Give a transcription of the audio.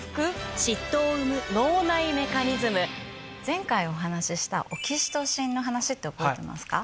前回お話ししたオキシトシンの話って覚えてますか？